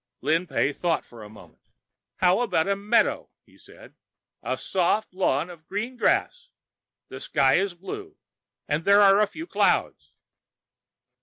Lin Pey thought for a moment. "How about a meadow?" he said. "A soft lawn of green grass, the sky is blue, and there are a few white clouds...."